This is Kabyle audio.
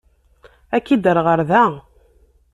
Ad k-id-rreɣ ɣer da.